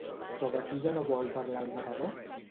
Sobre qui ja no vol parlar el narrador?